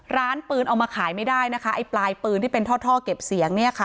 ร้านปืนเอามาขายไม่ได้นะคะไอ้ปลายปืนที่เป็นท่อเก็บเสียงเนี่ยค่ะ